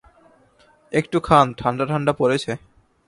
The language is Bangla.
একটু খান, ঠাণ্ডা ঠাণ্ডা পড়েছে।